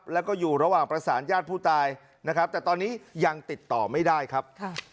แล้วก็อยู่ระหว่างประสานญาติผู้ตายนะครับแต่ตอนนี้ยังติดต่อไม่ได้ครับ